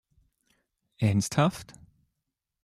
Ernsthaft?